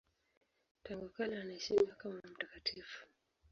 Tangu kale wanaheshimiwa kama mtakatifu.